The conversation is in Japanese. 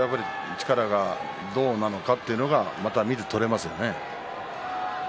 力はどうなのかということが見て取れますね。